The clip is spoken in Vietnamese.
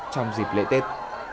trong dịp lễ tết